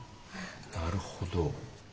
なるほど。